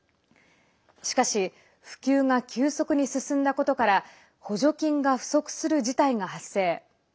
しかし、普及が急速に進んだことから補助金が不足する事態が発生。